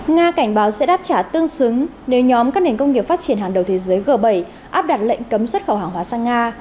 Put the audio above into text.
nga cảnh báo sẽ đáp trả tương xứng nếu nhóm các nền công nghiệp phát triển hàng đầu thế giới g bảy áp đặt lệnh cấm xuất khẩu hàng hóa sang nga